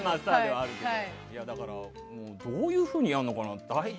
どういうふうにやるのかな。